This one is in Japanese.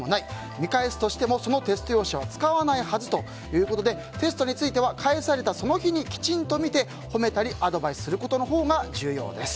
見返すとしてもそのテスト用紙は使わないはずということでテストについては返されたその日にきちんと見て、褒めたりアドバイスすることのほうが重要です。